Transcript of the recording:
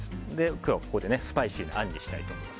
今日はここでスパイシーなあんにしたいと思います。